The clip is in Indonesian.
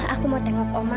aku mau tengok oma